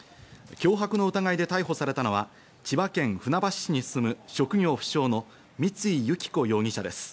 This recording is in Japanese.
脅迫の疑いで逮捕されたのは、千葉県船橋市に住む職業不詳の三井由起子容疑者です。